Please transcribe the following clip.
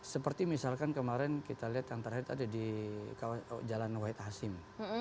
seperti misalkan kemarin kita lihat yang terakhir ada di jalan wahid hasim